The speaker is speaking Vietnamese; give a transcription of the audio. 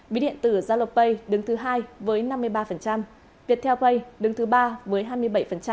ví điện tử jalopay đứng thứ hai với năm mươi ba viettelpay đứng thứ ba với hai mươi bảy